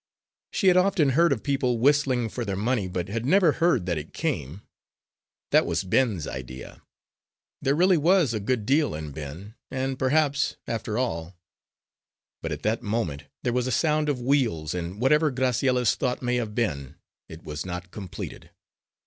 She had often heard of people whistling for their money, but had never heard that it came that was Ben's idea. There really was a good deal in Ben, and perhaps, after all But at that moment there was a sound of wheels, and whatever Graciella's thought may have been, it was not completed.